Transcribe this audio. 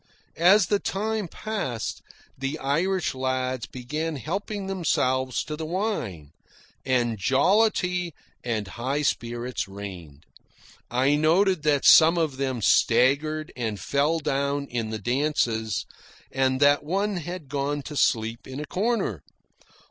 As the time passed, the Irish lads began helping themselves to the wine, and jollity and high spirits reigned. I noted that some of them staggered and fell down in the dances, and that one had gone to sleep in a corner.